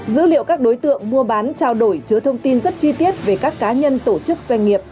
dữ liệu các đối tượng mua bán trao đổi chứa thông tin rất chi tiết về các cá nhân tổ chức doanh nghiệp